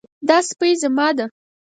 دا سپی زما ده